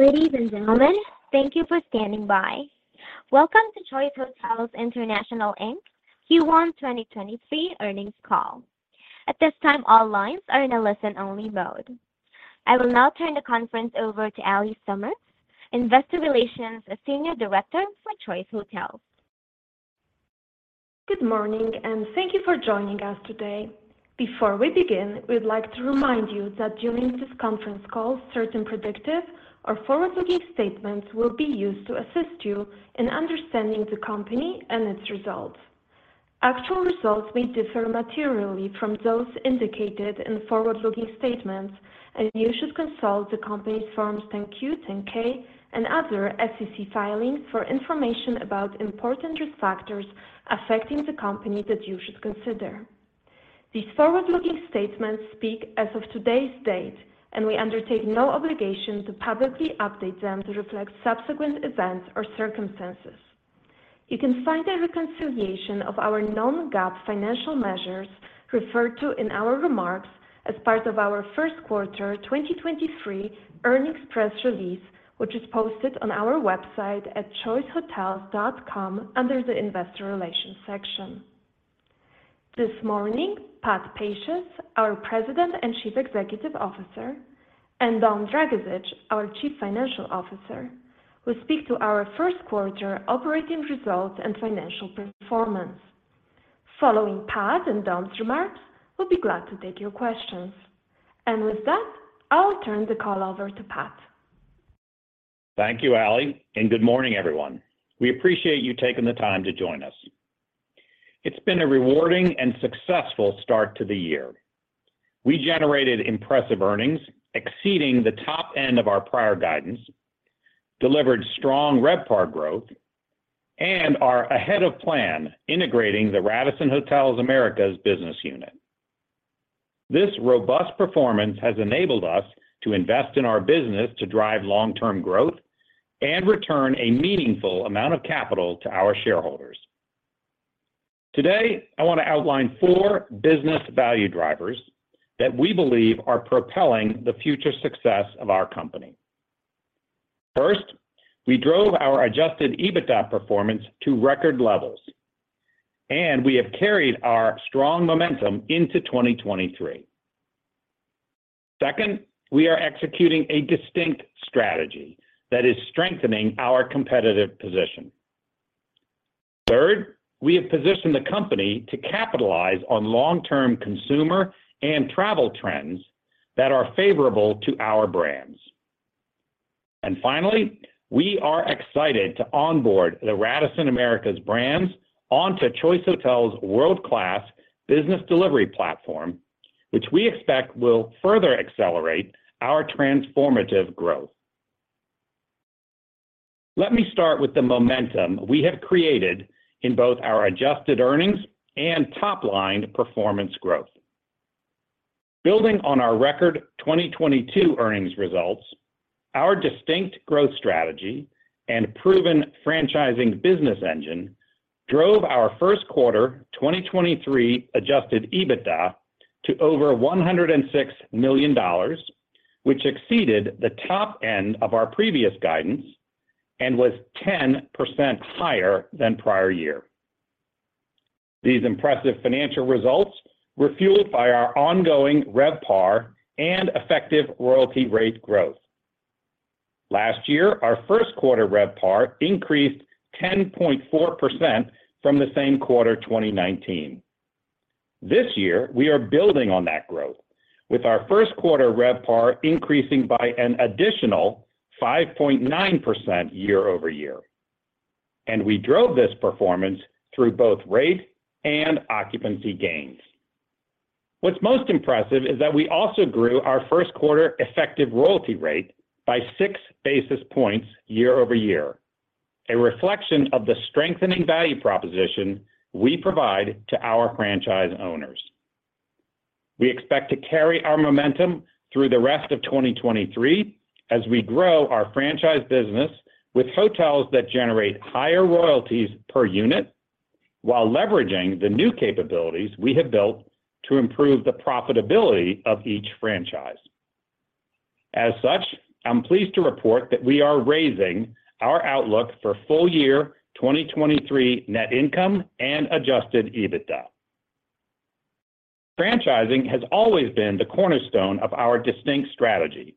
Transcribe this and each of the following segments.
Ladies and gentlemen, thank you for standing by. Welcome to Choice Hotels International Inc. Q1 2023 earnings call. At this time, all lines are in a listen-only mode. I will now turn the conference over to Allie Summers, Investor Relations Senior Director for Choice Hotels. Good morning, and thank you for joining us today. Before we begin, we'd like to remind you that during this conference call, certain predictive or forward-looking statements will be used to assist you in understanding the company and its results. Actual results may differ materially from those indicated in the forward-looking statements, and you should consult the company's Forms 10-Q, 10-K, and other SEC filings for information about important risk factors affecting the company that you should consider. These forward-looking statements speak as of today's date, and we undertake no obligation to publicly update them to reflect subsequent events or circumstances. You can find a reconciliation of our non-GAAP financial measures referred to in our remarks as part of our first quarter 2023 earnings press release, which is posted on our website at choicehotels.com under the Investor Relations section. This morning, Pat Pacious, our President and Chief Executive Officer, and Dom Dragisich, our Chief Financial Officer, will speak to our first quarter operating results and financial performance. Following Pat and Dom's remarks, we'll be glad to take your questions. With that, I'll turn the call over to Pat. Thank you, Allie. Good morning, everyone. We appreciate you taking the time to join us. It's been a rewarding and successful start to the year. We generated impressive earnings exceeding the top end of our prior guidance, delivered strong RevPAR growth, and are ahead of plan integrating the Radisson Hotels Americas business unit. This robust performance has enabled us to invest in our business to drive long-term growth and return a meaningful amount of capital to our shareholders. Today, I want to outline four business value drivers that we believe are propelling the future success of our company. First, we drove our adjusted EBITDA performance to record levels, and we have carried our strong momentum into 2023. Second, we are executing a distinct strategy that is strengthening our competitive position. Third, we have positioned the company to capitalize on long-term consumer and travel trends that are favorable to our brands. Finally, we are excited to onboard the Radisson Hotels Americas brands onto Choice Hotels' world-class business delivery platform, which we expect will further accelerate our transformative growth. Let me start with the momentum we have created in both our adjusted earnings and top-line performance growth. Building on our record 2022 earnings results, our distinct growth strategy and proven franchising business engine drove our first quarter 2023 adjusted EBITDA to over $106 million, which exceeded the top end of our previous guidance and was 10% higher than prior year. These impressive financial results were fueled by our ongoing RevPAR and effective royalty rate growth. Last year, our first quarter RevPAR increased 10.4% from the same quarter 2019. This year, we are building on that growth, with our first quarter RevPAR increasing by an additional 5.9% year-over-year. We drove this performance through both rate and occupancy gains. What's most impressive is that we also grew our first quarter effective royalty rate by 6 basis points year-over-year, a reflection of the strengthening value proposition we provide to our franchise owners. We expect to carry our momentum through the rest of 2023 as we grow our franchise business with hotels that generate higher royalties per unit while leveraging the new capabilities we have built to improve the profitability of each franchise. As such, I'm pleased to report that we are raising our outlook for full-year 2023 net income and adjusted EBITDA. Franchising has always been the cornerstone of our distinct strategy,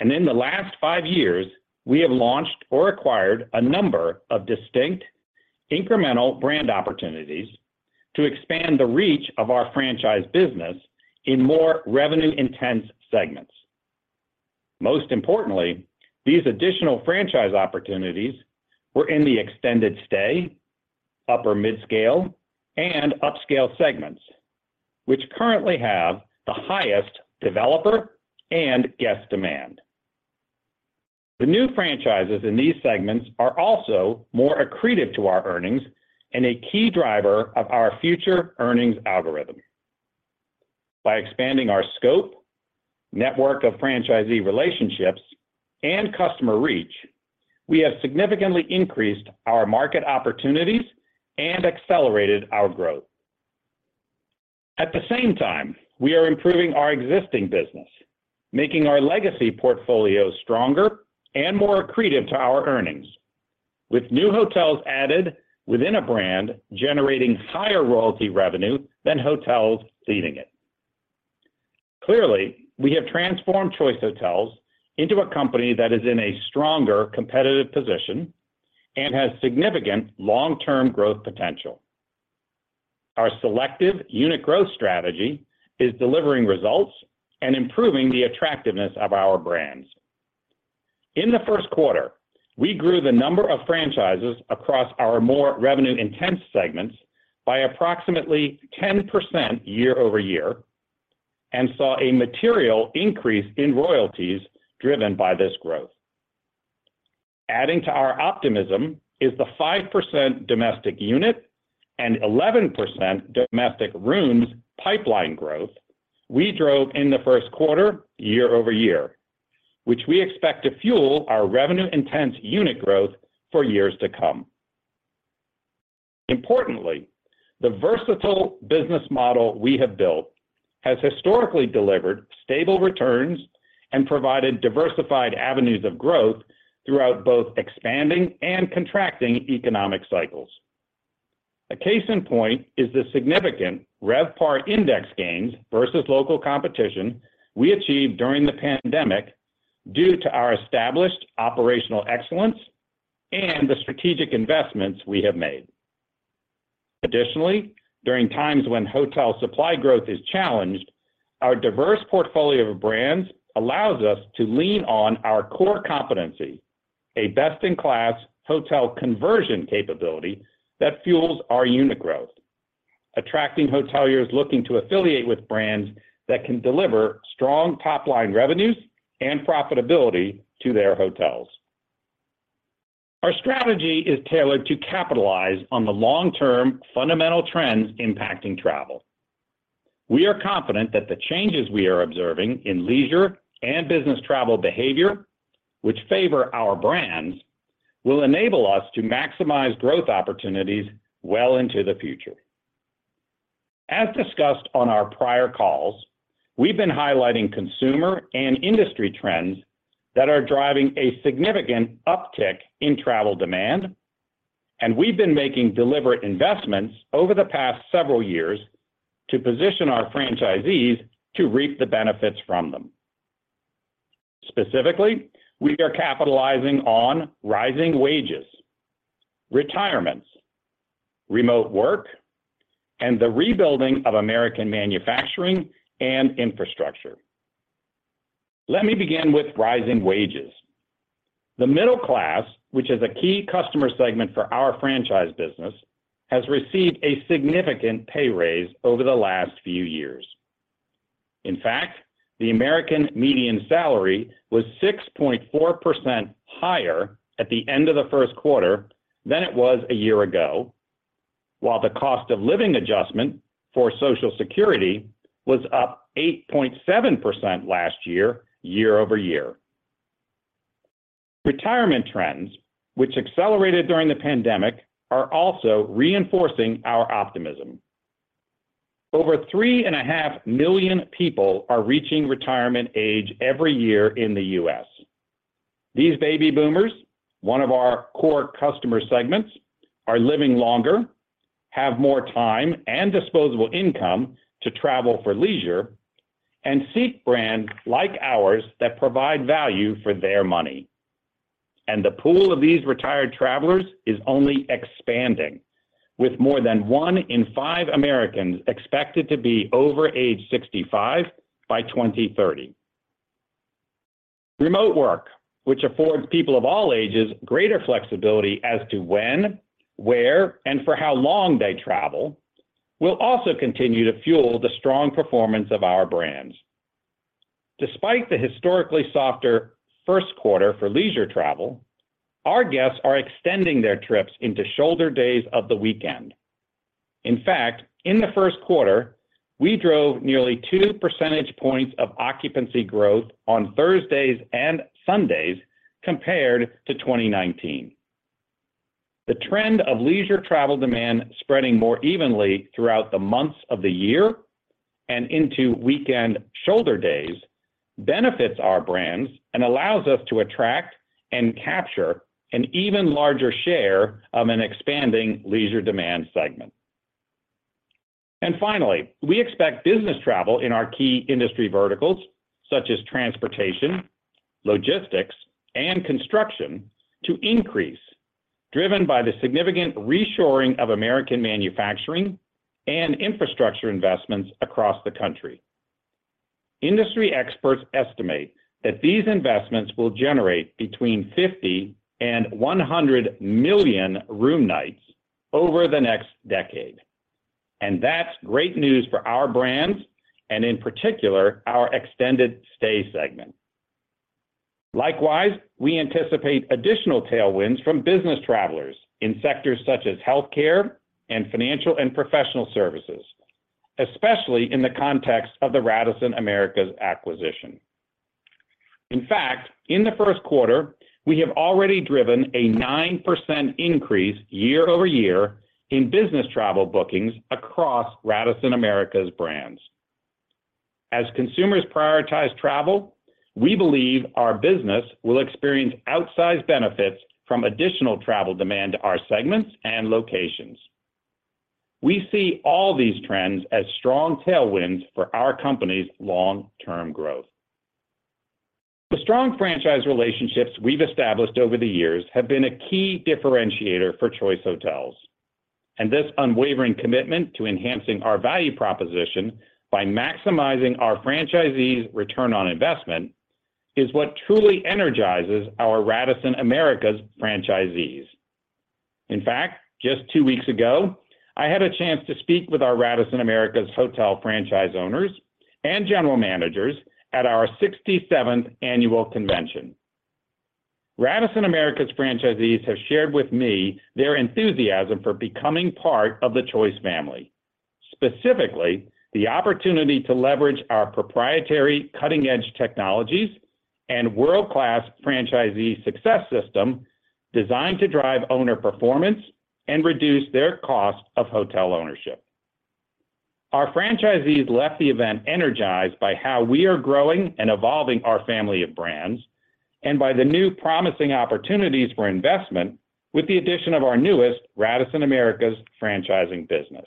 and in the last five years, we have launched or acquired a number of distinct incremental brand opportunities to expand the reach of our franchise business in more revenue intense segments. Most importantly, these additional franchise opportunities were in the extended stay, upper midscale, and upscale segments, which currently have the highest developer and guest demand. The new franchises in these segments are also more accretive to our earnings and a key driver of our future earnings algorithm. By expanding our scope, network of franchisee relationships, and customer reach, we have significantly increased our market opportunities and accelerated our growth. At the same time, we are improving our existing business, making our legacy portfolio stronger and more accretive to our earnings, with new hotels added within a brand generating higher royalty revenue than hotels seeding it. Clearly, we have transformed Choice Hotels into a company that is in a stronger competitive position and has significant long-term growth potential. Our selective unit growth strategy is delivering results and improving the attractiveness of our brands. In the first quarter, we grew the number of franchises across our more revenue-intense segments by approximately 10% year-over-year and saw a material increase in royalties driven by this growth. Adding to our optimism is the 5% domestic unit and 11% domestic rooms pipeline growth we drove in the first quarter year-over-year, which we expect to fuel our revenue-intense unit growth for years to come. Importantly, the versatile business model we have built has historically delivered stable returns and provided diversified avenues of growth throughout both expanding and contracting economic cycles. A case in point is the significant RevPAR index gains versus local competition we achieved during the pandemic due to our established operational excellence and the strategic investments we have made. Additionally, during times when hotel supply growth is challenged, our diverse portfolio of brands allows us to lean on our core competency, a best-in-class hotel conversion capability that fuels our unit growth, attracting hoteliers looking to affiliate with brands that can deliver strong top-line revenues and profitability to their hotels. Our strategy is tailored to capitalize on the long-term fundamental trends impacting travel. We are confident that the changes we are observing in leisure and business travel behavior, which favor our brands, will enable us to maximize growth opportunities well into the future. As discussed on our prior calls, we've been highlighting consumer and industry trends that are driving a significant uptick in travel demand, and we've been making deliberate investments over the past several years to position our franchisees to reap the benefits from them. Specifically, we are capitalizing on rising wages, retirements, remote work, and the rebuilding of American manufacturing and infrastructure. Let me begin with rising wages. The middle class, which is a key customer segment for our franchise business, has received a significant pay raise over the last few years. In fact, the American median salary was 6.4% higher at the end of the first quarter than it was a year ago, while the cost of living adjustment for Social Security was up 8.7% last year-over-year. Retirement trends, which accelerated during the pandemic, are also reinforcing our optimism. Over 3.5 million people are reaching retirement age every year in the U.S. These baby boomers, one of our core customer segments, are living longer, have more time and disposable income to travel for leisure, and seek brands like ours that provide value for their money. The pool of these retired travelers is only expanding, with more than one in five Americans expected to be over age 65 by 2030. Remote work, which affords people of all ages greater flexibility as to when, where, and for how long they travel, will also continue to fuel the strong performance of our brands. Despite the historically softer first quarter for leisure travel, our guests are extending their trips into shoulder days of the weekend. In fact, in the first quarter, we drove nearly 2 percentage points of occupancy growth on Thursdays and Sundays compared to 2019. The trend of leisure travel demand spreading more evenly throughout the months of the year and into weekend shoulder days benefits our brands and allows us to attract and capture an even larger share of an expanding leisure demand segment. Finally, we expect business travel in our key industry verticals, such as transportation, logistics, and construction, to increase, driven by the significant reshoring of American manufacturing and infrastructure investments across the country. Industry experts estimate that these investments will generate between 50 million and 100 million room nights over the next decade. That's great news for our brands, and in particular, our extended stay segment. Likewise, we anticipate additional tailwinds from business travelers in sectors such as healthcare and financial and professional services, especially in the context of the Radisson Hotels Americas acquisition. In fact, in the first quarter, we have already driven a 9% increase year-over-year in business travel bookings across Radisson Hotels Americas' brands. As consumers prioritize travel, we believe our business will experience outsized benefits from additional travel demand to our segments and locations. We see all these trends as strong tailwinds for our company's long-term growth. The strong franchise relationships we've established over the years have been a key differentiator for Choice Hotels, and this unwavering commitment to enhancing our value proposition by maximizing our franchisees' ROI is what truly energizes our Radisson Hotels Americas' franchisees. Just two weeks ago, I had a chance to speak with our Radisson Americas' hotel franchise owners and general managers at our 67th annual convention. Radisson Americas' franchisees have shared with me their enthusiasm for becoming part of the Choice family. Specifically, the opportunity to leverage our proprietary cutting-edge technologies and world-class franchisee success system designed to drive owner performance and reduce their cost of hotel ownership. Our franchisees left the event energized by how we are growing and evolving our family of brands and by the new promising opportunities for investment with the addition of our newest Radisson Americas' franchising business.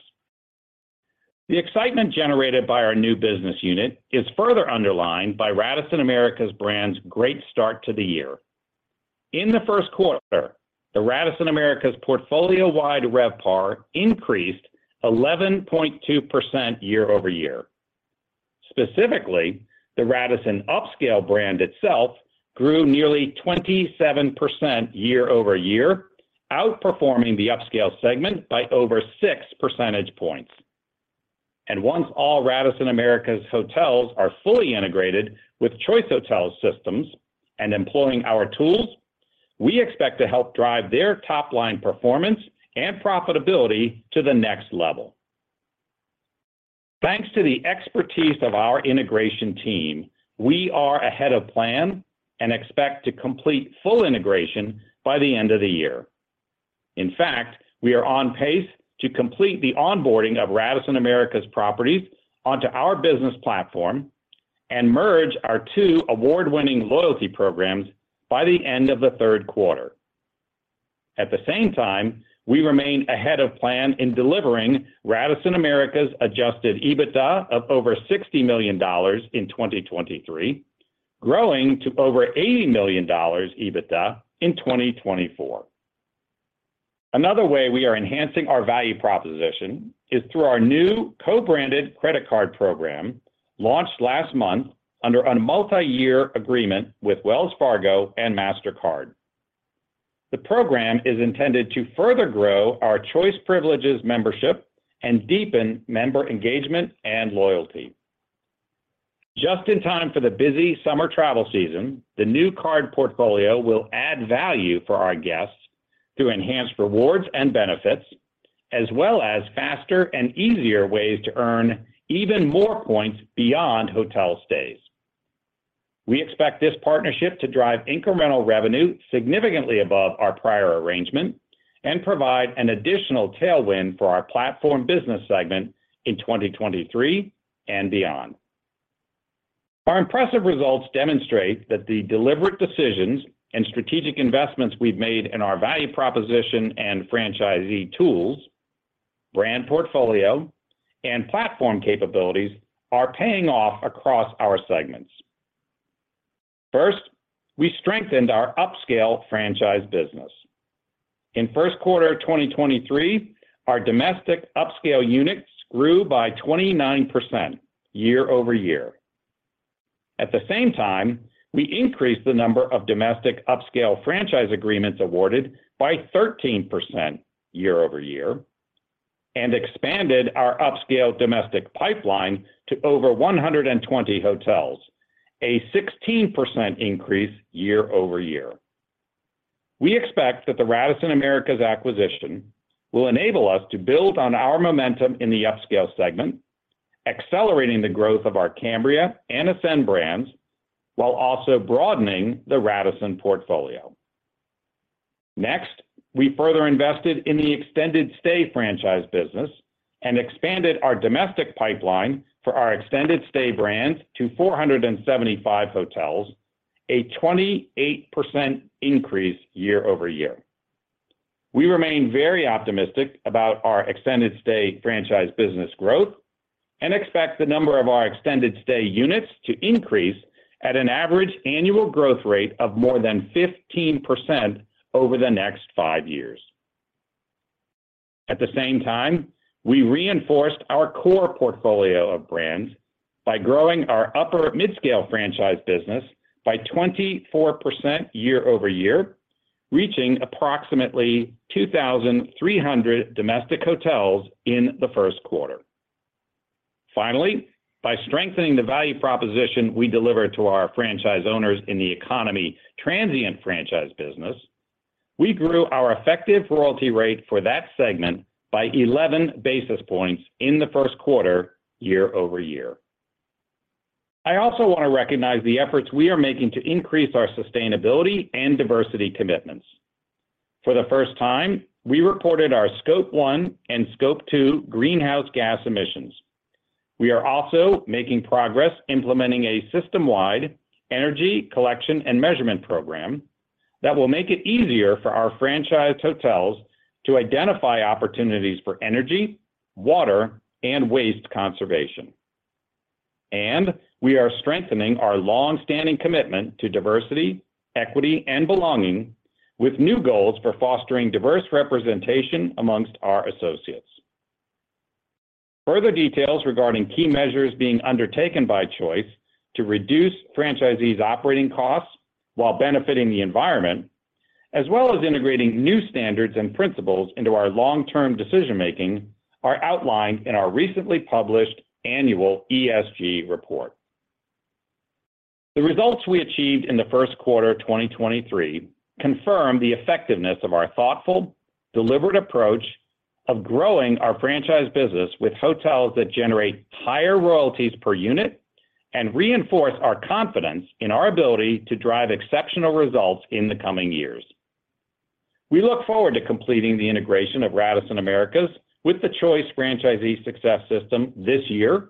The excitement generated by our new business unit is further underlined by Radisson Americas' brands great start to the year. In the first quarter, the Radisson Americas' portfolio-wide RevPAR increased 11.2% year-over-year. Specifically, the Radisson upscale brand itself grew nearly 27% year-over-year, outperforming the upscale segment by over 6 percentage points. Once all Radisson Hotels Americas hotels are fully integrated with Choice Hotels systems and employing our tools, we expect to help drive their top-line performance and profitability to the next level. Thanks to the expertise of our integration team, we are ahead of plan and expect to complete full integration by the end of the year. In fact, we are on pace to complete the onboarding of Radisson Hotels Americas properties onto our business platform and merge our two award-winning loyalty programs by the end of the third quarter. At the same time, we remain ahead of plan in delivering Radisson Hotels Americas adjusted EBITDA of over $60 million in 2023, growing to over $80 million EBITDA in 2024. Another way we are enhancing our value proposition is through our new co-branded credit card program launched last month under a multiyear agreement with Wells Fargo and Mastercard. The program is intended to further grow our Choice Privileges membership and deepen member engagement and loyalty. Just in time for the busy summer travel season, the new card portfolio will add value for our guests through enhanced rewards and benefits, as well as faster and easier ways to earn even more points beyond hotel stays. We expect this partnership to drive incremental revenue significantly above our prior arrangement and provide an additional tailwind for our platform business segment in 2023 and beyond. Our impressive results demonstrate that the deliberate decisions and strategic investments we've made in our value proposition and franchisee tools, brand portfolio, and platform capabilities are paying off across our segments. First, we strengthened our upscale franchise business. In first quarter of 2023, our domestic upscale units grew by 29% year-over-year. At the same time, we increased the number of domestic upscale franchise agreements awarded by 13% year-over-year and expanded our upscale domestic pipeline to over 120 hotels, a 16% increase year-over-year. We expect that the Radisson Hotels Americas acquisition will enable us to build on our momentum in the upscale segment, accelerating the growth of our Cambria and Ascend brands, while also broadening the Radisson portfolio. We further invested in the extended stay franchise business and expanded our domestic pipeline for our extended stay brands to 475 hotels, a 28% increase year-over-year. We remain very optimistic about our extended stay franchise business growth and expect the number of our extended stay units to increase at an average annual growth rate of more than 15% over the next five years. At the same time, we reinforced our core portfolio of brands by growing our upper midscale franchise business by 24% year-over-year, reaching approximately 2,300 domestic hotels in the first quarter. Finally, by strengthening the value proposition we deliver to our franchise owners in the economy transient franchise business. We grew our effective royalty rate for that segment by 11 basis points in the first quarter year-over-year. I also want to recognize the efforts we are making to increase our sustainability and diversity commitments. For the first time, we reported our Scope 1 and Scope 2 greenhouse gas emissions. We are also making progress implementing a system-wide energy collection and measurement program that will make it easier for our franchise hotels to identify opportunities for energy, water, and waste conservation. We are strengthening our long-standing commitment to diversity, equity, and belonging with new goals for fostering diverse representation amongst our associates. Further details regarding key measures being undertaken by Choice to reduce franchisees' operating costs while benefiting the environment, as well as integrating new standards and principles into our long-term decision-making, are outlined in our recently published annual ESG report. The results we achieved in the first quarter of 2023 confirm the effectiveness of our thoughtful, deliberate approach of growing our franchise business with hotels that generate higher royalties per unit and reinforce our confidence in our ability to drive exceptional results in the coming years. We look forward to completing the integration of Radisson Americas with the Choice franchisee success system this year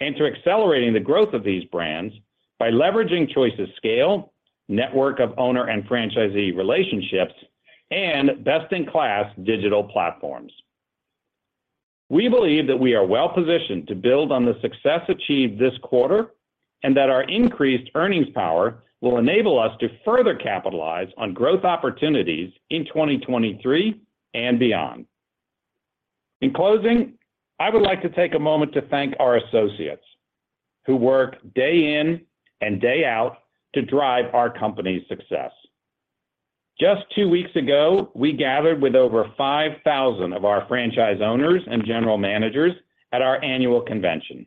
and to accelerating the growth of these brands by leveraging Choice's scale, network of owner and franchisee relationships, and best-in-class digital platforms. We believe that we are well-positioned to build on the success achieved this quarter and that our increased earnings power will enable us to further capitalize on growth opportunities in 2023 and beyond. In closing, I would like to take a moment to thank our associates who work day in and day out to drive our company's success. Just two weeks ago, we gathered with over 5,000 of our franchise owners and general managers at our annual convention.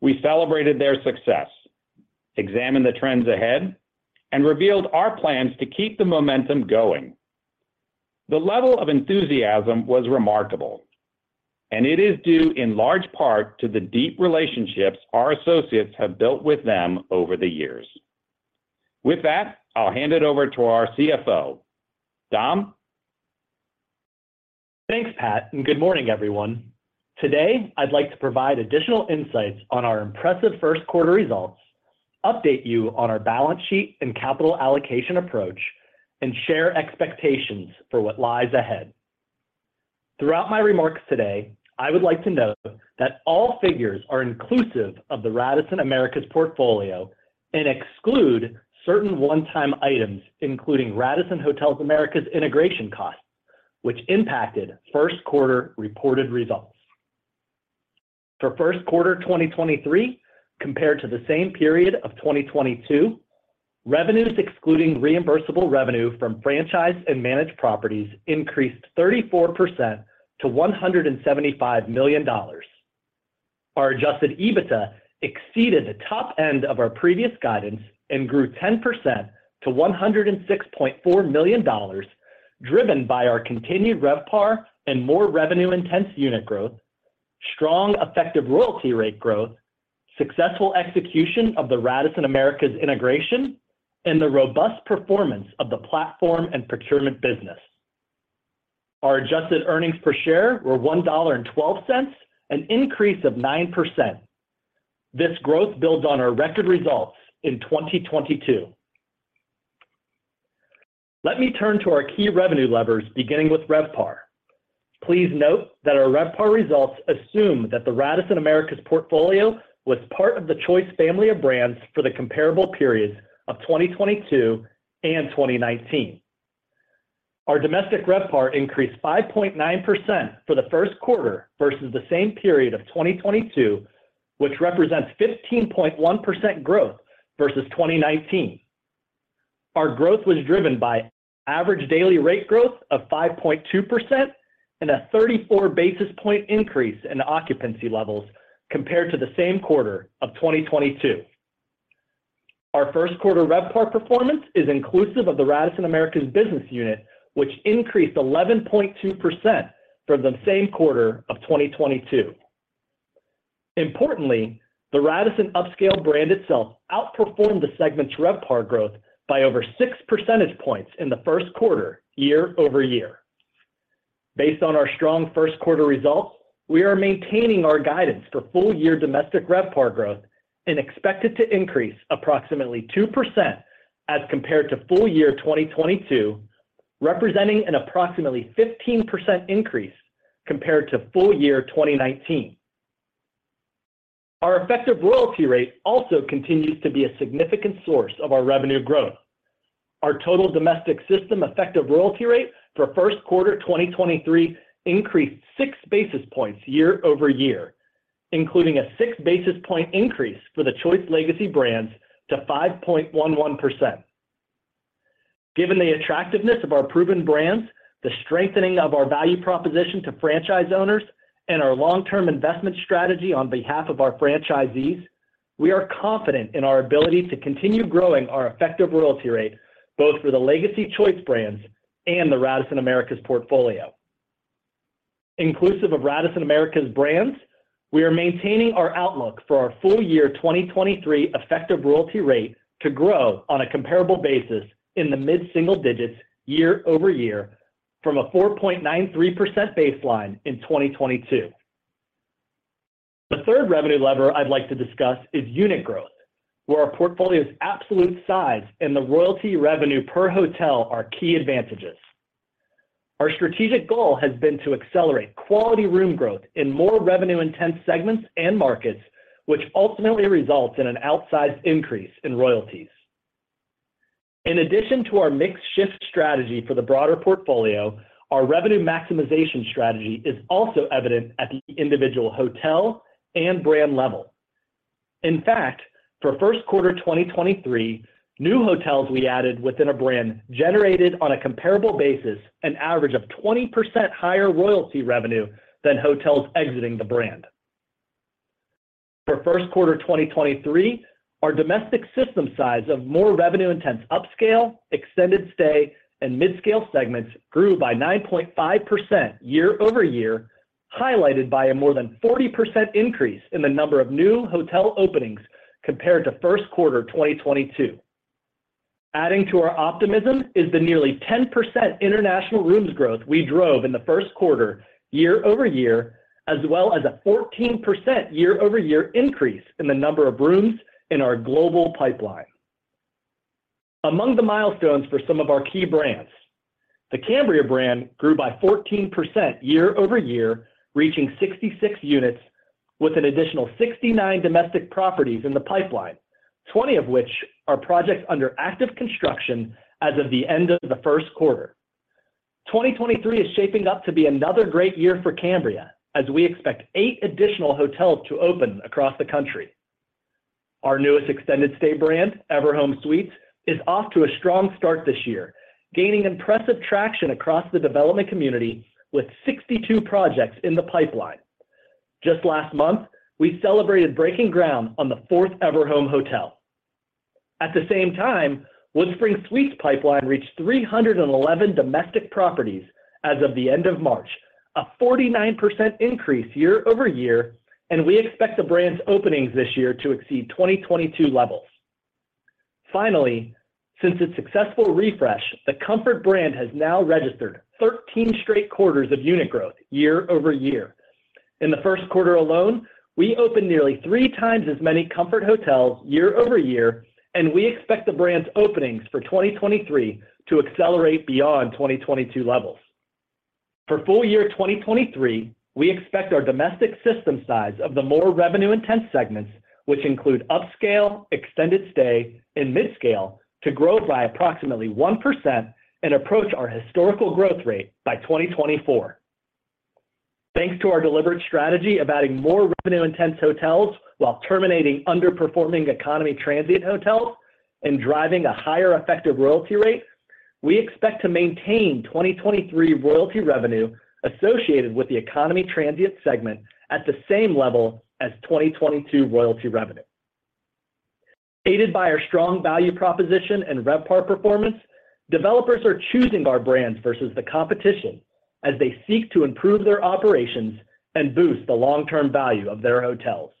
We celebrated their success, examined the trends ahead, and revealed our plans to keep the momentum going. The level of enthusiasm was remarkable, and it is due in large part to the deep relationships our associates have built with them over the years. With that, I'll hand it over to our CFO. Dom? Thanks, Pat, and good morning, everyone. Today, I'd like to provide additional insights on our impressive first quarter results, update you on our balance sheet and capital allocation approach, and share expectations for what lies ahead. Throughout my remarks today, I would like to note that all figures are inclusive of the Radisson Americas portfolio and exclude certain one-time items, including Radisson Hotels Americas integration costs, which impacted first quarter reported results. For first quarter 2023 compared to the same period of 2022, revenues excluding reimbursable revenue from franchise and managed properties increased 34% to $175 million. Our adjusted EBITDA exceeded the top end of our previous guidance and grew 10% to $106.4 million, driven by our continued RevPAR and more revenue-intense unit growth, strong effective royalty rate growth, successful execution of the Radisson Americas integration, and the robust performance of the platform and procurement business. Our adjusted earnings per share were $1.12, an increase of 9%. This growth builds on our record results in 2022. Let me turn to our key revenue levers, beginning with RevPAR. Please note that our RevPAR results assume that the Radisson Americas portfolio was part of the Choice family of brands for the comparable periods of 2022 and 2019. Our domestic RevPAR increased 5.9% for the first quarter versus the same period of 2022, which represents 15.1% growth versus 2019. Our growth was driven by average daily rate growth of 5.2% and a 34 basis point increase in occupancy levels compared to the same quarter of 2022. Our first quarter RevPAR performance is inclusive of the Radisson Hotels Americas business unit, which increased 11.2% from the same quarter of 2022. Importantly, the Radisson upscale brand itself outperformed the segment's RevPAR growth by over 6 percentage points in the first quarter year-over-year. Based on our strong first quarter results, we are maintaining our guidance for full-year domestic RevPAR growth and expect it to increase approximately 2% as compared to full-year 2022, representing an approximately 15% increase compared to full-year 2019. Our effective royalty rate also continues to be a significant source of our revenue growth. Our total domestic system effective royalty rate for first quarter 2023 increased 6 basis points year-over-year, including a 6 basis point increase for the Choice legacy brands to 5.11%. Given the attractiveness of our proven brands, the strengthening of our value proposition to franchise owners, and our long-term investment strategy on behalf of our franchisees. We are confident in our ability to continue growing our effective royalty rate both for the legacy Choice brands and the Radisson Americas portfolio. Inclusive of Radisson Hotels Americas brands, we are maintaining our outlook for our full-year 2023 effective royalty rate to grow on a comparable basis in the mid-single digits year-over-year from a 4.93% baseline in 2022. The third revenue lever I'd like to discuss is unit growth, where our portfolio's absolute size and the royalty revenue per hotel are key advantages. Our strategic goal has been to accelerate quality room growth in more revenue-intense segments and markets, which ultimately results in an outsized increase in royalties. In addition to our mix shift strategy for the broader portfolio, our revenue maximization strategy is also evident at the individual hotel and brand level. In fact, for first quarter 2023, new hotels we added within a brand generated on a comparable basis an average of 20% higher royalty revenue than hotels exiting the brand. For first quarter 2023, our domestic system size of more revenue-intense upscale, extended stay, and midscale segments grew by 9.5% year-over-year, highlighted by a more than 40% increase in the number of new hotel openings compared to first quarter 2022. Adding to our optimism is the nearly 10% international rooms growth we drove in the first quarter year-over-year, as well as a 14% year-over-year increase in the number of rooms in our global pipeline. Among the milestones for some of our key brands, the Cambria brand grew by 14% year-over-year, reaching 66 units with an additional 69 domestic properties in the pipeline, 20 of which are projects under active construction as of the end of the first quarter. 2023 is shaping up to be another great year for Cambria as we expect eight additional hotels to open across the country. Our newest extended stay brand, Everhome Suites, is off to a strong start this year, gaining impressive traction across the development community with 62 projects in the pipeline. Just last month, we celebrated breaking ground on the fourth Everhome hotel. At the same time, WoodSpring Suites pipeline reached 311 domestic properties as of the end of March, a 49% increase year-over-year, and we expect the brand's openings this year to exceed 2022 levels. Finally, since its successful refresh, the Comfort brand has now registered 13 straight quarters of unit growth year-over-year. In the first quarter alone, we opened nearly three times as many Comfort hotels year-over-year, and we expect the brand's openings for 2023 to accelerate beyond 2022 levels. For full-year 2023, we expect our domestic system size of the more revenue-intense segments, which include upscale, extended stay, and midscale, to grow by approximately 1% and approach our historical growth rate by 2024. Thanks to our deliberate strategy of adding more revenue-intense hotels while terminating underperforming economy transient hotels and driving a higher effective royalty rate, we expect to maintain 2023 royalty revenue associated with the economy transient segment at the same level as 2022 royalty revenue. Aided by our strong value proposition and RevPAR performance, developers are choosing our brands versus the competition as they seek to improve their operations and boost the long-term value of their hotels.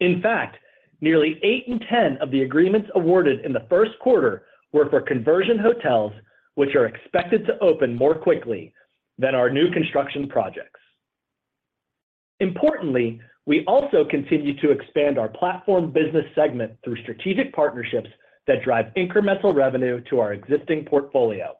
In fact, nearly eight in 10 of the agreements awarded in the first quarter were for conversion hotels, which are expected to open more quickly than our new construction projects. Importantly, we also continue to expand our platform business segment through strategic partnerships that drive incremental revenue to our existing portfolio.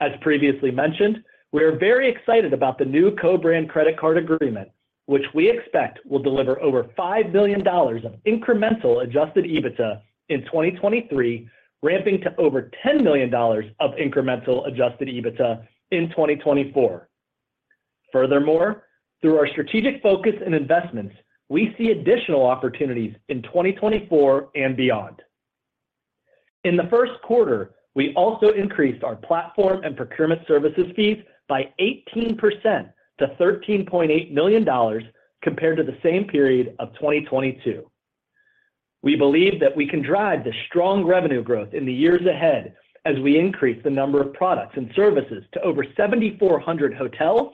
As previously mentioned, we are very excited about the new co-brand credit card agreement, which we expect will deliver over $5 billion of incremental adjusted EBITDA in 2023, ramping to over $10 million of incremental adjusted EBITDA in 2024. Through our strategic focus and investments, we see additional opportunities in 2024 and beyond. In the first quarter, we also increased our platform and procurement services fees by 18% to $13.8 million compared to the same period of 2022. We believe that we can drive the strong revenue growth in the years ahead as we increase the number of products and services to over 7,400 hotels,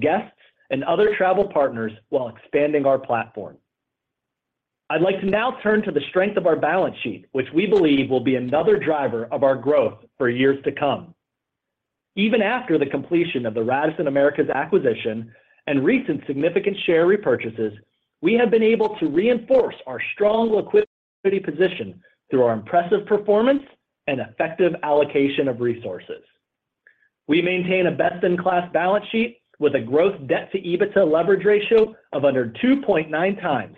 guests, and other travel partners while expanding our platform. I'd like to now turn to the strength of our balance sheet, which we believe will be another driver of our growth for years to come. Even after the completion of the Radisson Hotels Americas acquisition and recent significant share repurchases, we have been able to reinforce our strong liquidity position through our impressive performance and effective allocation of resources. We maintain a best-in-class balance sheet with a gross debt to EBITDA leverage ratio of under 2.9x,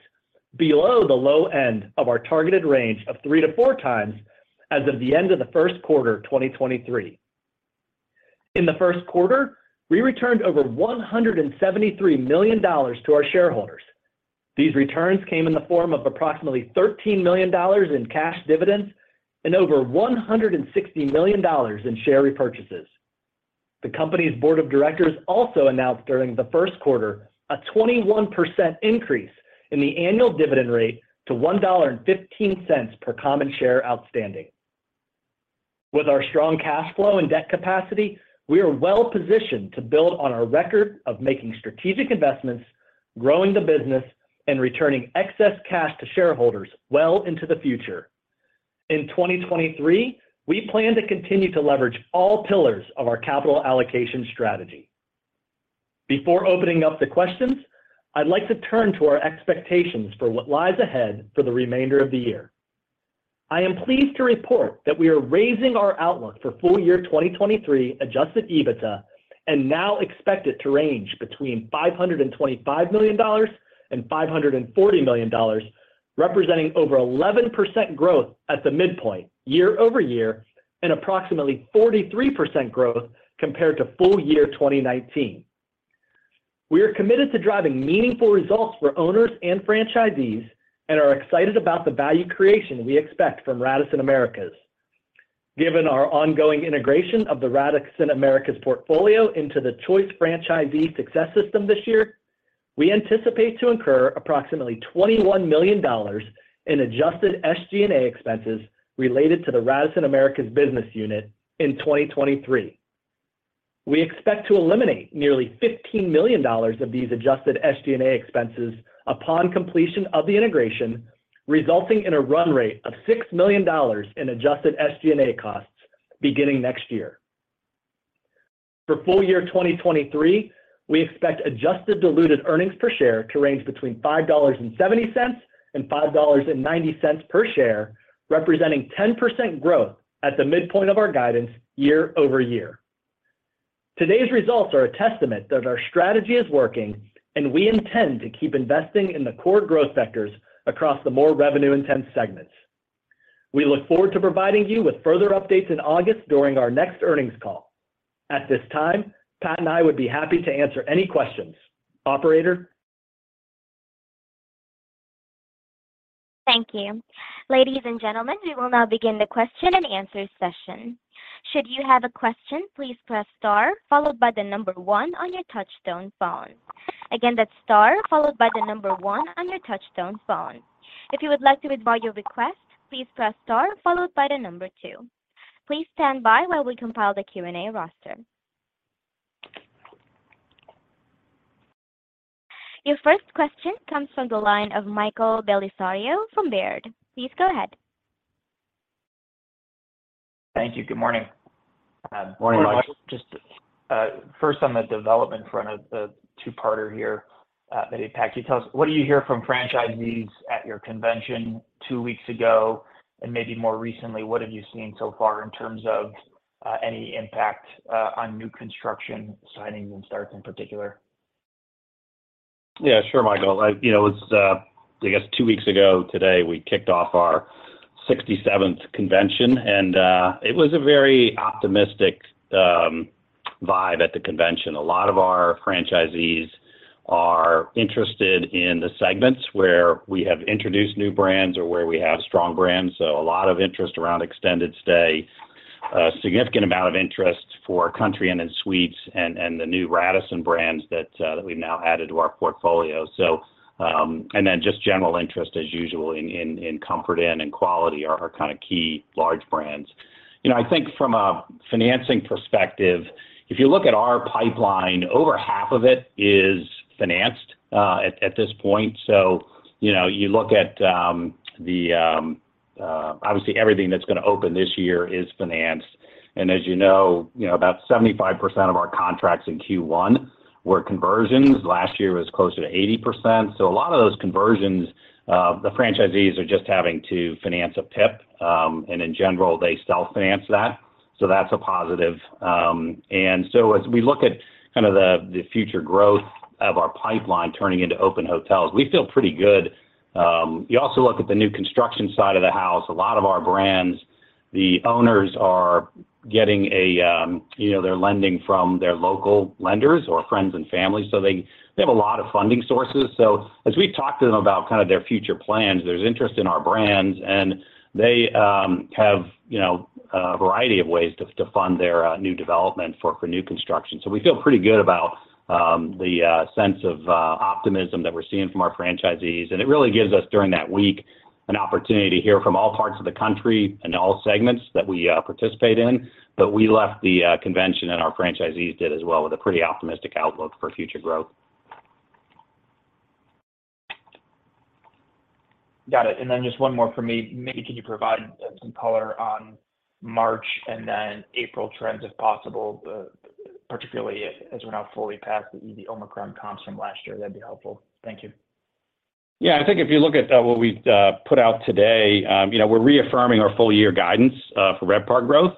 below the low end of our targeted range of 3x-4x as of the end of the first quarter 2023. In the first quarter, we returned over $173 million to our shareholders. These returns came in the form of approximately $13 million in cash dividends and over $160 million in share repurchases. The company's Board of Directors also announced during the first quarter a 21% increase in the annual dividend rate to $1.15 per common share outstanding. With our strong cash flow and debt capacity, we are well positioned to build on our record of making strategic investments, growing the business, and returning excess cash to shareholders well into the future. In 2023, we plan to continue to leverage all pillars of our capital allocation strategy. Before opening up the questions, I'd like to turn to our expectations for what lies ahead for the remainder of the year. I am pleased to report that we are raising our outlook for full-year 2023 adjusted EBITDA and now expect it to range between $525 million and $540 million, representing over 11% growth at the midpoint year-over-year and approximately 43% growth compared to full-year 2019. We are committed to driving meaningful results for owners and franchisees and are excited about the value creation we expect from Radisson Americas. Given our ongoing integration of the Radisson Americas portfolio into the Choice franchisee success system this year, we anticipate to incur approximately $21 million in adjusted SG&A expenses related to the Radisson Americas business unit in 2023. We expect to eliminate nearly $15 million of these adjusted SG&A expenses upon completion of the integration, resulting in a run rate of $6 million in adjusted SG&A costs beginning next year. For full-year 2023, we expect adjusted diluted earnings per share to range between $5.70 and $5.90 per share, representing 10% growth at the midpoint of our guidance year-over-year. Today's results are a testament that our strategy is working, we intend to keep investing in the core growth sectors across the more revenue intense segments. We look forward to providing you with further updates in August during our next earnings call. At this time, Pat and I would be happy to answer any questions. Operator? Thank you. Ladies and gentlemen, we will now begin the question-and-answer session. Should you have a question, please press star followed by the one on your touch-tone phone. Again, that's star followed by the one on your touch-tone phone. If you would like to withdraw your request, please press star followed by the two. Please stand by while we compile the Q&A roster. Your first question comes from the line of Michael Bellisario from Baird. Please go ahead. Thank you. Good morning. Good morning, Michael. Just, first on the development front of the two-parter here, maybe Pat, can you tell us what do you hear from franchisees at your convention two weeks ago, and maybe more recently, what have you seen so far in terms of, any impact, on new construction signings and starts in particular? Yeah, sure, Michael. You know, it's, I guess two weeks ago today, we kicked off our 67th convention. It was a very optimistic vibe at the convention. A lot of our franchisees are interested in the segments where we have introduced new brands or where we have strong brands. A lot of interest around extended stay, a significant amount of interest for Country Inn & Suites and the new Radisson brands that we've now added to our portfolio. Just general interest as usual in Comfort Inn and Quality are kind of key large brands. You know, I think from a financing perspective, if you look at our pipeline, over half of it is financed at this point. You know, you look at, obviously everything that's gonna open this year is financed. As you know, you know, about 75% of our contracts in Q1 were conversions. Last year was closer to 80%. A lot of those conversions, the franchisees are just having to finance a PIP, and in general, they self-finance that. That's a positive. As we look at kind of the future growth of our pipeline turning into open hotels, we feel pretty good. You also look at the new construction side of the house, a lot of our brands, the owners are getting a, you know, they're lending from their local lenders or friends and family, so they have a lot of funding sources. As we talk to them about kind of their future plans, there's interest in our brands, and they, you know, have a variety of ways to fund their new development for new construction. We feel pretty good about the sense of optimism that we're seeing from our franchisees. It really gives us during that week an opportunity to hear from all parts of the country and all segments that we participate in. We left the convention, and our franchisees did as well, with a pretty optimistic outlook for future growth. Got it. Then just one more for me. Maybe can you provide some color on March and then April trends if possible, particularly as we're now fully past the Omicron comps from last year, that'd be helpful. Thank you. Yeah. I think if you look at what we've put out today, you know, we're reaffirming our full-year guidance for RevPAR growth,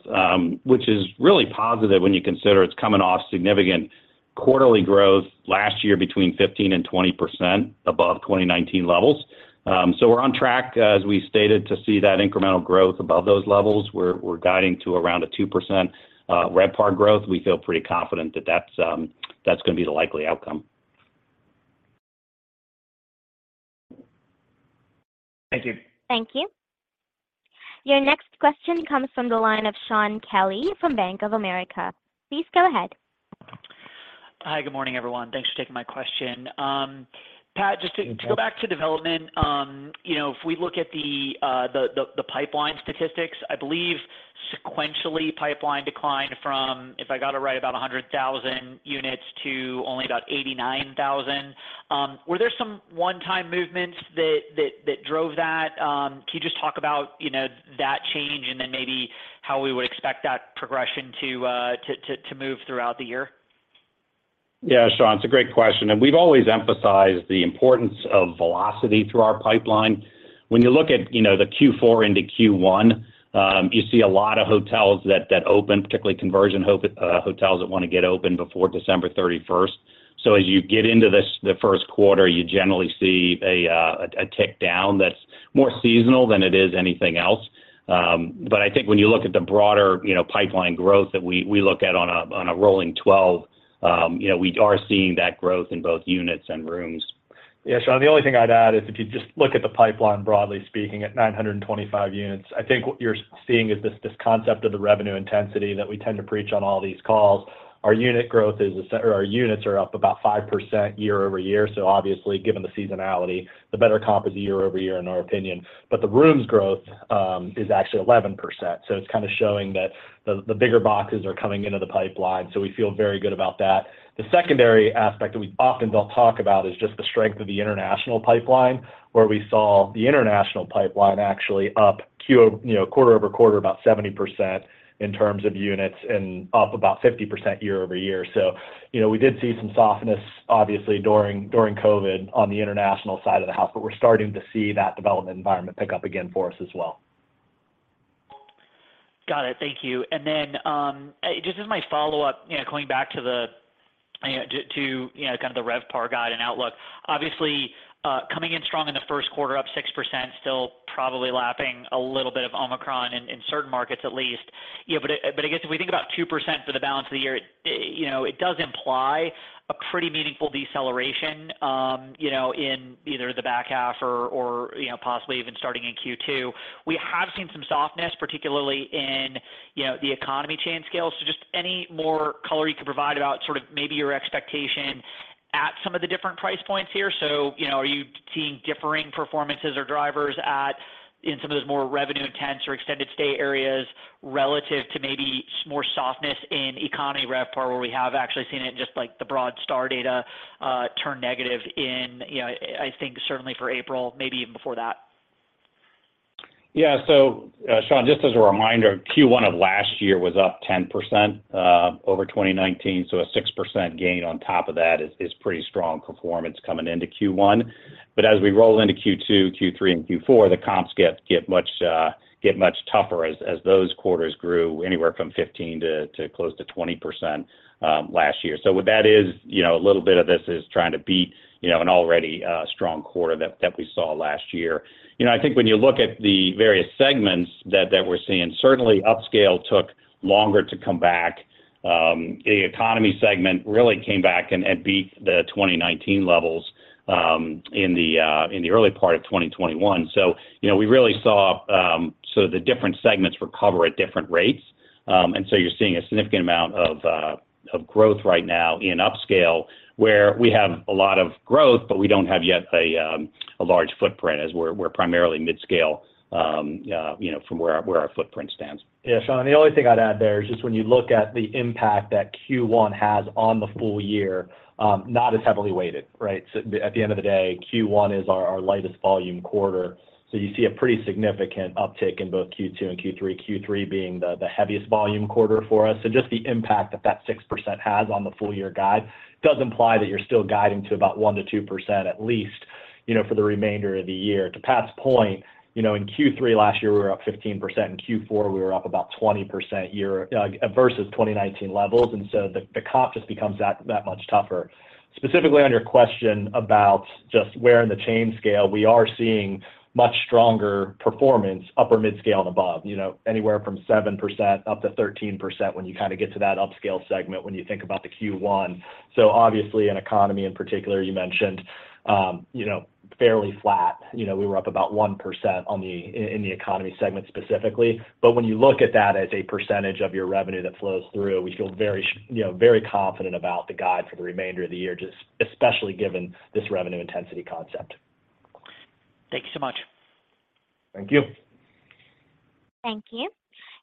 which is really positive when you consider it's coming off significant quarterly growth last year between 15% and 20% above 2019 levels. We're on track, as we stated, to see that incremental growth above those levels. We're guiding to around a 2% RevPAR growth. We feel pretty confident that that's gonna be the likely outcome. Thank you. Thank you. Your next question comes from the line of Shaun Kelley from Bank of America. Please go ahead. Hi, good morning, everyone. Thanks for taking my question. Pat, just to go back to development, you know, if we look at the pipeline statistics, I believe sequentially pipeline declined from, if I got it right, about 100,000 units to only about 89,000. Were there some one-time movements that drove that? Can you just talk about, you know, that change and then maybe how we would expect that progression to move throughout the year? Yeah, Shaun, it's a great question, and we've always emphasized the importance of velocity through our pipeline. When you look at the Q4 into Q1, you see a lot of hotels that open, particularly conversion hotels that want to get open before December 31st. As you get into the first quarter, you generally see a tick down that's more seasonal than it is anything else. I think when you look at the broader pipeline growth that we look at on a rolling 12, we are seeing that growth in both units and rooms. Shaun, the only thing I'd add is if you just look at the pipeline, broadly speaking, at 925 units, I think what you're seeing is this concept of the revenue intensity that we tend to preach on all these calls. Our units are up about 5% year-over-year, obviously, given the seasonality, the better comp is year-over-year in our opinion. The rooms growth is actually 11%, it's kind of showing that the bigger boxes are coming into the pipeline, we feel very good about that. The secondary aspect that we often don't talk about is just the strength of the international pipeline, where we saw the international pipeline actually up, you know, quarter-over-quarter about 70% in terms of units and up about 50% year-over-year. You know, we did see some softness obviously during COVID on the international side of the house, but we're starting to see that development environment pick up again for us as well. Got it. Thank you. Just as my follow-up, going back to the kind of the RevPAR guide and outlook, obviously, coming in strong in the first quarter, up 6%, still probably lapping a little bit of Omicron in certain markets at least. I guess if we think about 2% for the balance of the year, it does imply a pretty meaningful deceleration in either the back half or possibly even starting in Q2. We have seen some softness, particularly in the economy chain scale. Just any more color you can provide about sort of maybe your expectation at some of the different price points here. You know, are you seeing differing performances or drivers in some of those more revenue intense or extended stay areas relative to maybe more softness in economy RevPAR, where we have actually seen it just like the broad STR data, turn negative in, you know, I think certainly for April, maybe even before that. Shaun, just as a reminder, Q1 of last year was up 10% over 2019, a 6% gain on top of that is pretty strong performance coming into Q1. As we roll into Q2, Q3, and Q4, the comps get much tougher as those quarters grew anywhere from 15 to close to 20% last year. What that is, you know, a little bit of this is trying to beat, you know, an already strong quarter that we saw last year. You know, I think when you look at the various segments that we're seeing, certainly upscale took longer to come back. The economy segment really came back and beat the 2019 levels in the early part of 2021. You know, we really saw sort of the different segments recover at different rates. You're seeing a significant amount of growth right now in upscale, where we have a lot of growth, but we don't have yet a large footprint as we're primarily mid-scale, you know, from where our footprint stands. Yeah. Shaun, the only thing I'd add there is just when you look at the impact that Q1 has on the full-year, not as heavily weighted, right? At the end of the day, Q1 is our lightest volume quarter. You see a pretty significant uptick in both Q2 and Q3. Q3 being the heaviest volume quarter for us. Just the impact that that 6% has on the full-year guide does imply that you're still guiding to about 1%-2% at least, you know, for the remainder of the year. To Pat's point, you know, in Q3 last year, we were up 15%. In Q4, we were up about 20% versus 2019 levels. The comp just becomes that much tougher. Specifically on your question about just where in the chain scale, we are seeing much stronger performance, upper-midscale and above. You know, anywhere from 7% up to 13% when you kind of get to that upscale segment when you think about the Q1. Obviously in economy, in particular, you mentioned, you know, fairly flat. You know, we were up about 1% in the economy segment specifically. When you look at that as a percentage of your revenue that flows through, we feel very, you know, very confident about the guide for the remainder of the year, just especially given this revenue intensity concept. Thank you so much. Thank you. Thank you.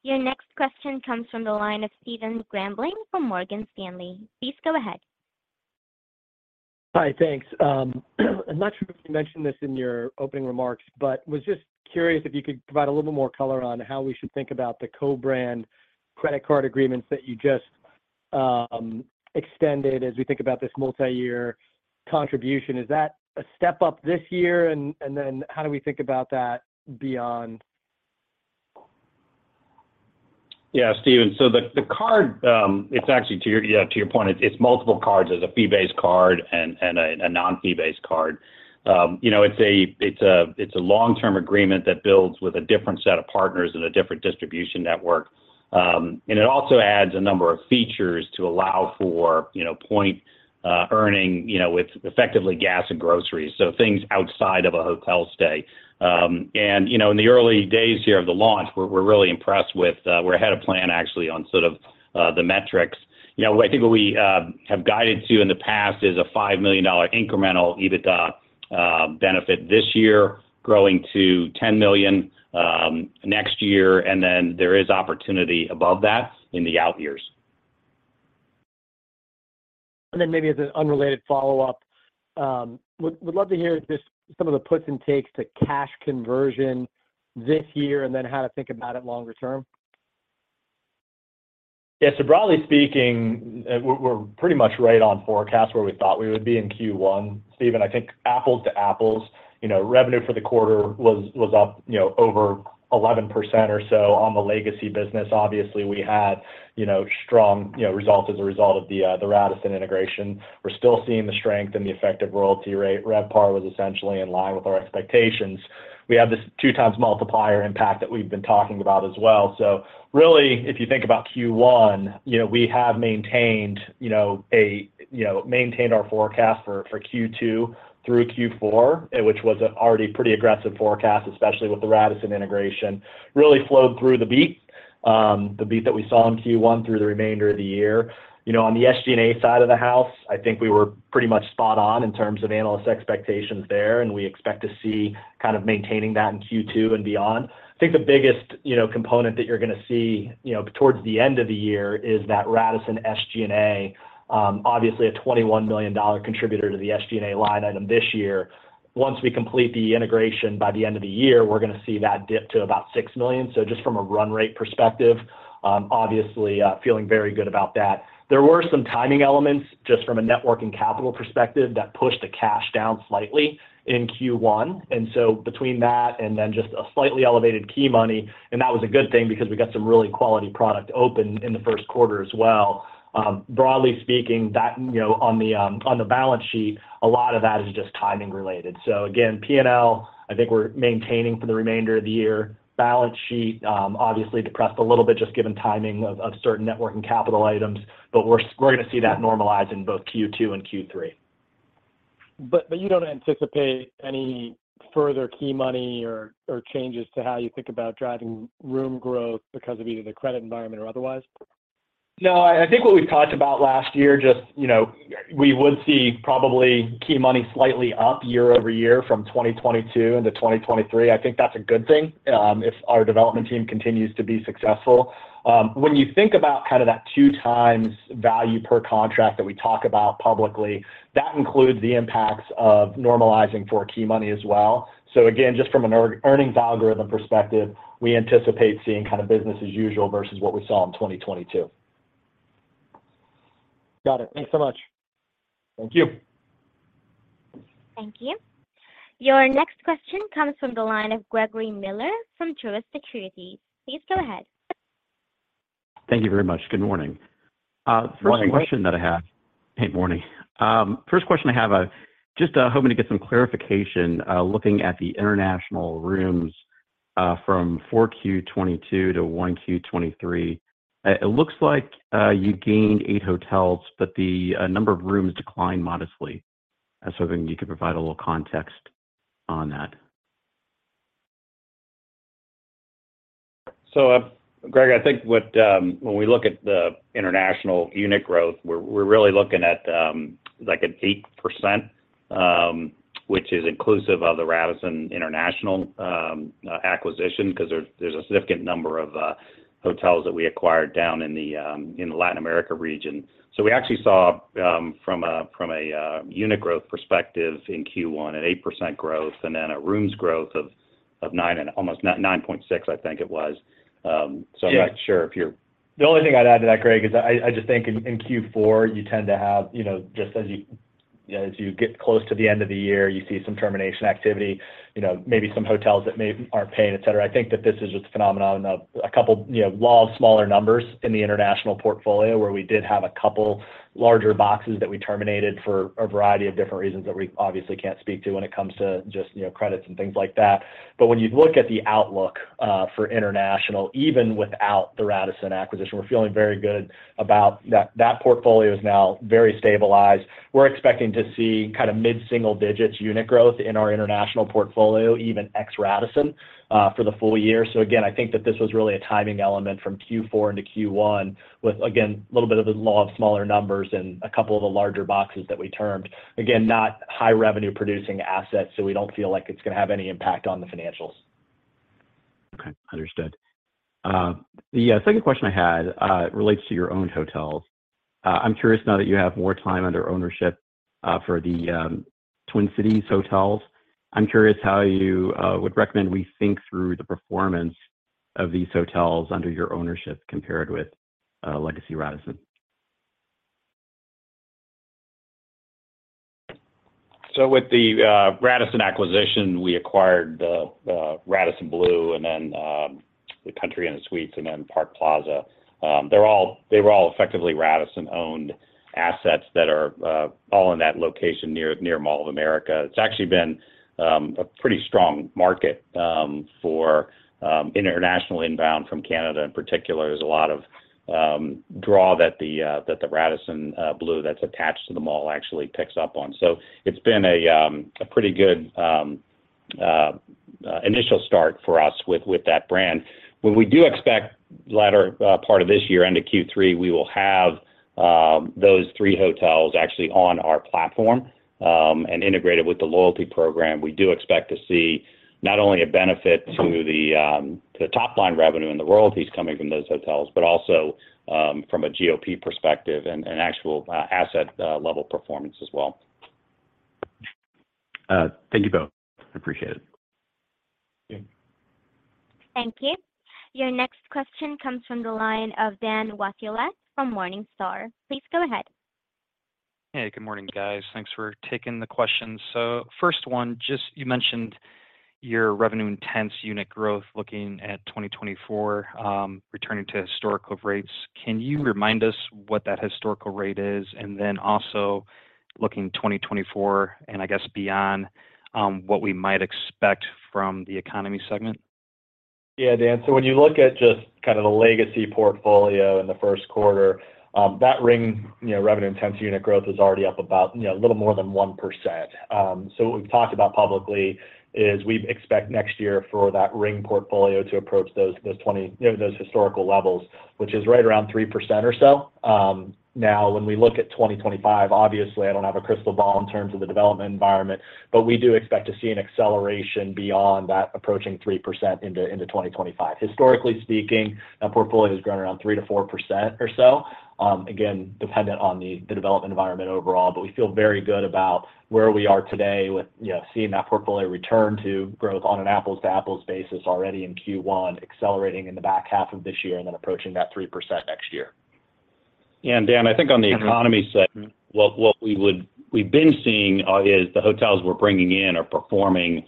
Your next question comes from the line of Stephen Grambling from Morgan Stanley. Please go ahead. Hi, thanks. I'm not sure if you mentioned this in your opening remarks, but was just curious if you could provide a little more color on how we should think about the co-brand credit card agreements that you just extended as we think about this multi-year contribution. Is that a step up this year? How do we think about that beyond? Stephen. The card, actually to your point, it's multiple cards. There's a fee-based card and a non-fee based card. You know, it's a long-term agreement that builds with a different set of partners and a different distribution network. It also adds a number of features to allow for, you know, point earning, you know, with effectively gas and groceries, so things outside of a hotel stay. You know, in the early days here of the launch, we're really impressed with. We're ahead of plan actually on sort of the metrics. You know, I think what we have guided to in the past is a $5 million incremental EBITDA benefit this year, growing to $10 million next year, and then there is opportunity above that in the out years. Maybe as an unrelated follow-up, would love to hear just some of the puts and takes to cash conversion this year, and then how to think about it longer term. Broadly speaking, we're pretty much right on forecast where we thought we would be in Q1, Stephen. I think apples to apples, you know, revenue for the quarter was up, you know, over 11% or so on the legacy business. Obviously, we had, you know, strong, you know, results as a result of the Radisson integration. We're still seeing the strength in the effective royalty rate. RevPAR was essentially in line with our expectations. We have this two times multiplier impact that we've been talking about as well. Really, if you think about Q1, you know, we have maintained our forecast for Q2 through Q4, which was already pretty aggressive forecast, especially with the Radisson integration, really flowed through the beat that we saw in Q1 through the remainder of the year. You know, on the SG&A side of the house, I think we were pretty much spot on in terms of analyst expectations there, and we expect to see kind of maintaining that in Q2 and beyond. I think the biggest, you know, component that you're gonna see, you know, towards the end of the year is that Radisson SG&A, obviously a $21 million contributor to the SG&A line item this year. Once we complete the integration by the end of the year, we're gonna see that dip to about $6 million. Just from a run rate perspective, obviously, feeling very good about that. There were some timing elements just from a network and capital perspective that pushed the cash down slightly in Q1. Between that and then just a slightly elevated key money, and that was a good thing because we got some really quality product open in the first quarter as well. Broadly speaking, that, you know, on the balance sheet, a lot of that is just timing related. Again, P&L, I think we're maintaining for the remainder of the year. Balance sheet, obviously depressed a little bit just given timing of certain network and capital items, but we're gonna see that normalize in both Q2 and Q3. You don't anticipate any further key money or changes to how you think about driving room growth because of either the credit environment or otherwise? No. I think what we've talked about last year, just, you know, we would see probably key money slightly up year-over-year from 2022 into 2023. I think that's a good thing, if our development team continues to be successful. When you think about kind of that 2x value per contract that we talk about publicly, that includes the impacts of normalizing for key money as well. Again, just from an earnings algorithm perspective, we anticipate seeing kind of business as usual versus what we saw in 2022. Got it. Thanks so much. Thank you. Thank you. Your next question comes from the line of Gregory Miller from Truist Securities. Please go ahead. Thank you very much. Good morning. Morning. First question that I have. Hey. Morning. First question I have, just hoping to get some clarification, looking at the international rooms, from 4Q 22 to 1Q 23. It looks like you gained eight hotels, but the number of rooms declined modestly. I was hoping you could provide a little context on that. Greg, I think what. When we look at the international unit growth, we're really looking at like an 8%, which is inclusive of the Radisson International acquisition, 'cause there's a significant number of hotels that we acquired down in the Latin America region. We actually saw, from a unit growth perspective in Q1 an 8% growth and then a rooms growth of nine and almost 9.6, I think it was. The only thing I'd add to that, Greg, is I just think in Q4, you tend to have, you know, just as you, as you get close to the end of the year, you see some termination activity, you know, maybe some hotels that aren't paying, et cetera. I think that this is just a phenomenon of a couple, you know, law of smaller numbers in the international portfolio, where we did have a couple larger boxes that we terminated for a variety of different reasons that we obviously can't speak to when it comes to just, you know, credits and things like that. When you look at the outlook for international, even without the Radisson acquisition, we're feeling very good about. That portfolio is now very stabilized. We're expecting to see kind of mid-single digits unit growth in our international portfolio, even ex Radisson, for the full-year. Again, I think that this was really a timing element from Q4 into Q1 with, again, a little bit of the law of smaller numbers and a couple of the larger boxes that we termed. Not high revenue producing assets, so we don't feel like it's gonna have any impact on the financials. Okay. Understood. The second question I had relates to your owned hotels. I'm curious now that you have more time under ownership for the Twin Cities hotels. I'm curious how you would recommend we think through the performance of these hotels under your ownership compared with Legacy Radisson. With the Radisson acquisition, we acquired the Radisson Blu, and then the Country Inn & Suites, and then Park Plaza. They were all effectively Radisson-owned assets that are all in that location near Mall of America. It's actually been a pretty strong market for international inbound from Canada in particular. There's a lot of draw that the that the Radisson Blu that's attached to the mall actually picks up on. It's been a pretty good initial start for us with that brand. What we do expect latter part of this year into Q3, we will have those three hotels actually on our platform and integrated with the loyalty program. We do expect to see not only a benefit to the top-line revenue and the royalties coming from those hotels but also from a GOP perspective and actual asset level performance as well. Thank you both. Appreciate it. Yeah. Thank you. Your next question comes from the line of Dan Wasiolek from Morningstar. Please go ahead. Hey, good morning, guys. Thanks for taking the questions. First one, just you mentioned your revenue intense unit growth looking at 2024, returning to historical rates. Can you remind us what that historical rate is? Also looking 2024 and I guess beyond, what we might expect from the economy segment? Dan, when you look at just kind of the legacy portfolio in the first quarter, that ring, you know, revenue intense unit growth is already up about, you know, a little more than 1%. What we've talked about publicly is we expect next year for that ring portfolio to approach those 20, you know, those historical levels, which is right around 3% or so. Now when we look at 2025, obviously, I don't have a crystal ball in terms of the development environment, but we do expect to see an acceleration beyond that approaching 3% into 2025. Historically speaking, that portfolio has grown around 3%-4% or so, again, dependent on the development environment overall. We feel very good about where we are today with, you know, seeing that portfolio return to growth on an apples-to-apples basis already in Q1, accelerating in the back half of this year, and then approaching that 3% next year. Dan, I think on the economy segment, we've been seeing is the hotels we're bringing in are performing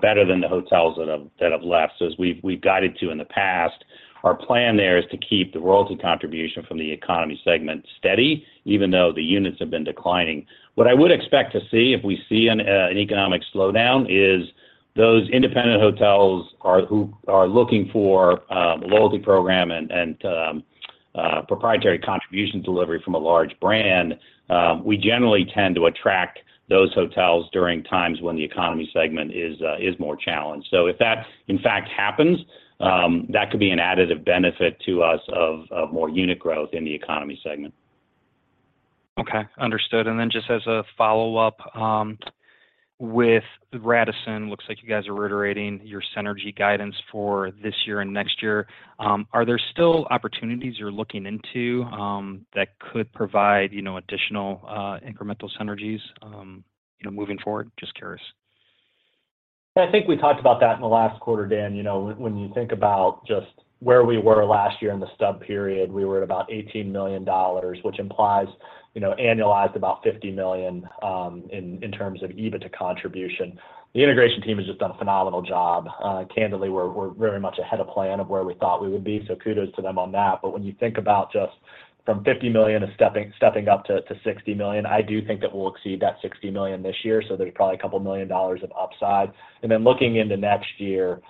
better than the hotels that have, that have left. As we've guided to in the past, our plan there is to keep the royalty contribution from the economy segment steady, even though the units have been declining. What I would expect to see if we see an economic slowdown is those independent hotels who are looking for loyalty program and proprietary contribution delivery from a large brand, we generally tend to attract those hotels during times when the economy segment is more challenged. If that in fact happens, that could be an additive benefit to us of more unit growth in the economy segment. Okay. Understood. Just as a follow-up, with Radisson, looks like you guys are reiterating your synergy guidance for this year and next year. Are there still opportunities you're looking into, that could provide, you know, additional, incremental synergies, you know, moving forward? Just curious. I think we talked about that in the last quarter, Dan. You know, when you think about just where we were last year in the stub period, we were at about $18 million, which implies, you know, annualized about $50 million in terms of EBITDA contribution. The integration team has just done a phenomenal job. Candidly, we're very much ahead of plan of where we thought we would be, so kudos to them on that. When you think about just from $50 million to stepping up to $60 million, I do think that we'll exceed that $60 million this year, so there's probably a couple million dollars of upside. Looking into next year,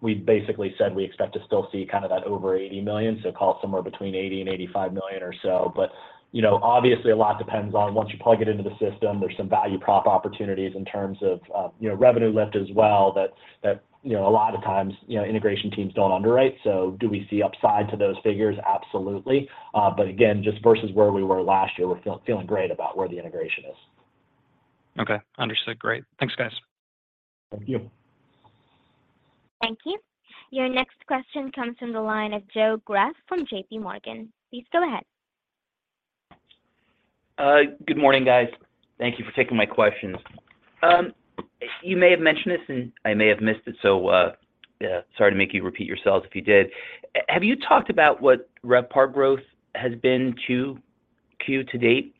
we basically said we expect to still see kind of that over $80 million, so call it somewhere between $80 million-$85 million or so. You know, obviously a lot depends on once you plug it into the system, there's some value prop opportunities in terms of, you know, revenue lift as well that, you know, a lot of times, you know, integration teams don't underwrite. Do we see upside to those figures? Absolutely. Again, just versus where we were last year, we're feeling great about where the integration is. Okay. Understood. Great. Thanks, guys. Thank you. Thank you. Your next question comes from the line of Joe Greff from JPMorgan. Please go ahead. Good morning, guys. Thank you for taking my questions. You may have mentioned this, and I may have missed it, so, sorry to make you repeat yourselves if you did. Have you talked about what RevPAR growth has been Q-Q to date?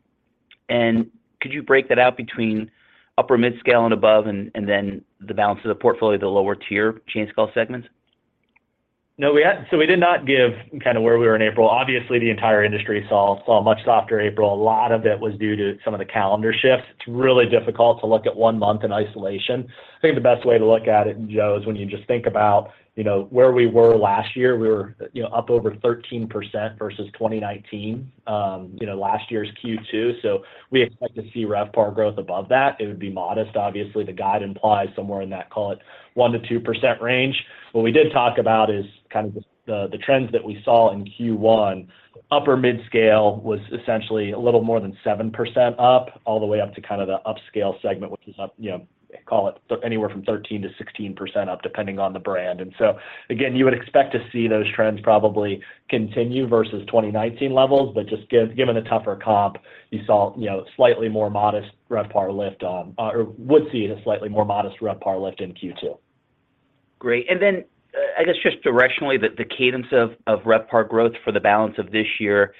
Could you break that out between upper midscale and above, and then the balance of the portfolio, the lower tier chain scale segments? No, we did not give kind of where we were in April. Obviously, the entire industry saw a much softer April. A lot of it was due to some of the calendar shifts. It's really difficult to look at one month in isolation. I think the best way to look at it, Joe, is when you just think about, you know, where we were last year. We were, you know, up over 13% versus 2019, you know, last year's Q2. We expect to see RevPAR growth above that. It would be modest. Obviously, the guide implies somewhere in that, call it, 1%-2% range. What we did talk about is kind of the trends that we saw in Q1. Upper midscale was essentially a little more than 7% up, all the way up to kind of the upscale segment, which is up, you know, call it anywhere from 13%-16% up, depending on the brand. Again, you would expect to see those trends probably continue versus 2019 levels. Just given the tougher comp, you saw, you know, slightly more modest RevPAR lift or would see a slightly more modest RevPAR lift in Q2. Great. I guess just directionally, the cadence of RevPAR growth for the balance of this year,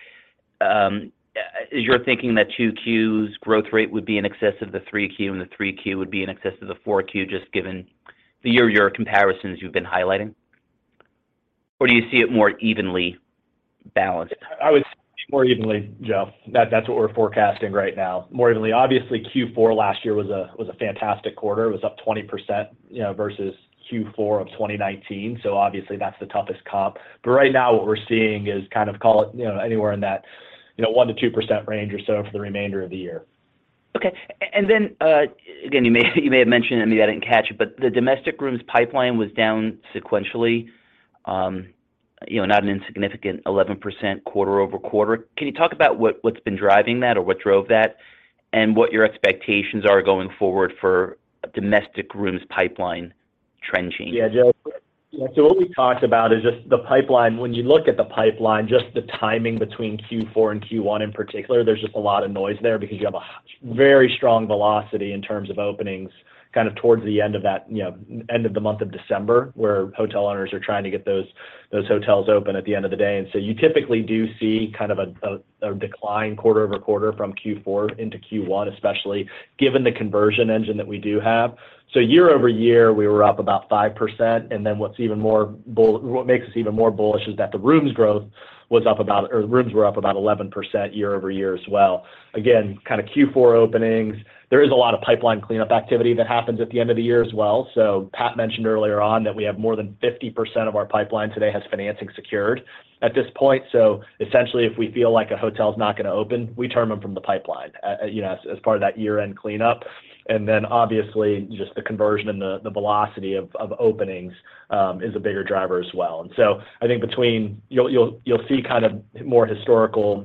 is your thinking that 2Q's growth rate would be in excess of the 3Q, and the 3Q would be in excess of the 4Q, just given the year-over-year comparisons you've been highlighting? Or do you see it more evenly balanced? More evenly, Joe. That's what we're forecasting right now. More evenly. Obviously Q4 last year was a fantastic quarter. It was up 20%, you know, versus Q4 of 2019, so obviously that's the toughest comp. Right now, what we're seeing is kind of call it, you know, anywhere in that, you know, 1%-2% range or so for the remainder of the year. Okay. Again, you may have mentioned it, maybe I didn't catch it, but the domestic rooms pipeline was down sequentially, you know, not an insignificant 11% quarter-over-quarter. Can you talk about what's been driving that or what drove that and what your expectations are going forward for domestic rooms pipeline trending? Yeah, Joe. Yeah, what we talked about is just the pipeline. When you look at the pipeline, just the timing between Q4 and Q1 in particular, there's just a lot of noise there because you have a very strong velocity in terms of openings kind of towards the end of that, you know, end of the month of December, where hotel owners are trying to get those hotels open at the end of the day. You typically do see kind of a decline quarter-over-quarter from Q4 into Q1, especially given the conversion engine that we do have. Year-over-year, we were up about 5%, and then what makes us even more bullish is that the rooms growth was up about or rooms were up about 11% year-over-year as well. Kind of Q4 openings. There is a lot of pipeline cleanup activity that happens at the end of the year as well. Pat mentioned earlier on that we have more than 50% of our pipeline today has financing secured at this point. Essentially if we feel like a hotel's not gonna open, we turn them from the pipeline, you know, as part of that year-end cleanup. Then obviously, just the conversion and the velocity of openings is a bigger driver as well. I think between, you'll see kind of more historical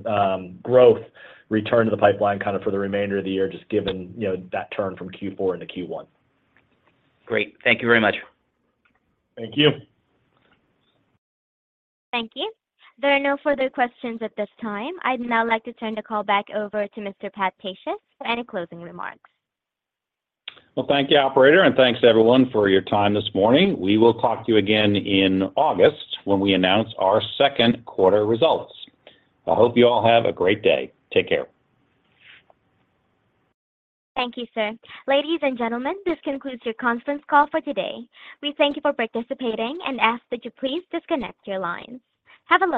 growth return to the pipeline kind of for the remainder of the year, just given, you know, that turn from Q4 into Q1. Great. Thank you very much. Thank you. Thank you. There are no further questions at this time. I'd now like to turn the call back over to Mr. Pat Pacious for any closing remarks. Well, thank you, operator, and thanks everyone for your time this morning. We will talk to you again in August when we announce our second quarter results. I hope you all have a great day. Take care. Thank you, sir. Ladies and gentlemen, this concludes your conference call for today. We thank you for participating and ask that you please disconnect your lines. Have a lovely day.